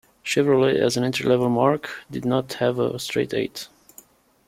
Chevrolet, as an entry-level marque, did not have a straight-eight.